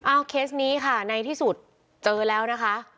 เอาเคสนี้ค่ะในที่สุดเจอแล้วนะคะ